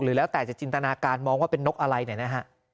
แล้วแต่จะจินตนาการมองว่าเป็นนกอะไรเนี่ยนะฮะ